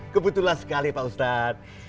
kebetulan sekali pak ustadz